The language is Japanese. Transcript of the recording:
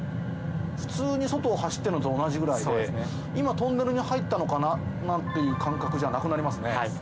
普通に外を走ってるのと同じぐらいで今トンネルに入ったのかななんていう感覚じゃなくなりますね。